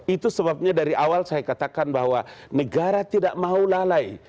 itu sebabnya dari awal saya katakan bahwa negara tidak mau lalai